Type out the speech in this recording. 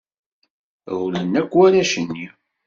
Rewlen akk warrac-nni.